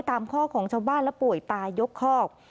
ข้อของชาวบ้านและป่วยตายกคอก